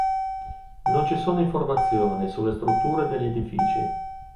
Non ci sono informazioni sulle strutture degli edifici.